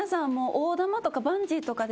大玉とかバンジーとかで。